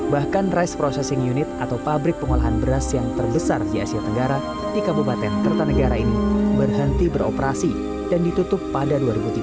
bahkan rice processing unit atau pabrik pengolahan beras yang terbesar di asia tenggara di kabupaten kertanegara ini berhenti beroperasi dan ditutup pada dua ribu tiga belas